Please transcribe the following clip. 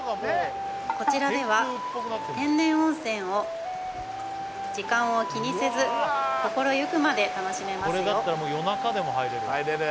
こちらでは天然温泉を時間を気にせず心ゆくまで楽しめますよ